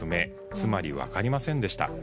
つまり分かりませんでした。